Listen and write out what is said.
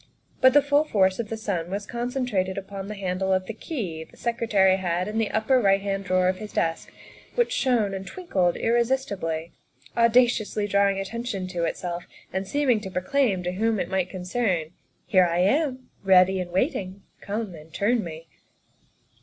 But the full force of the sun was concentrated upon the handle of the key the Secretary had left in the upper right hand drawer of his desk, which shone and twinkled irresisti bly, audaciously drawing attention to itself and seem ing to proclaim to whom it might concern, " Here I am, ready and waiting, come and turn me."